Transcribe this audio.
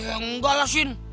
enggak lah sin